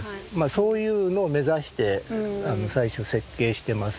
そういうのを目指して最初設計してますね。